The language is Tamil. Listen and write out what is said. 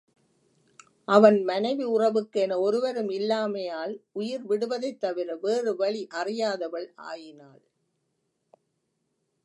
அவன் மனைவி உறவுக்கு என ஒருவரும் இல்லாமையால் உயிர் விடுவதைத் தவிர வேறு வழி அறியாதவள் ஆயினாள்.